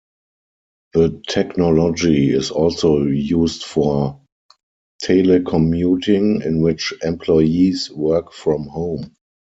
The technology is also used for telecommuting, in which employees work from home.